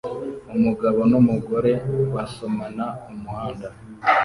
Umugabo n'umugore basomana mumuhanda